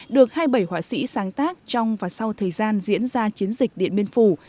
được hai mươi bảy họa sĩ sáng tác trong và sau thời gian diễn ra chiến dịch điện biên phủ